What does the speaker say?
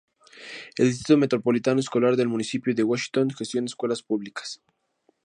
El Distrito Metropolitano Escolar del Municipio de Washington gestiona escuelas públicas.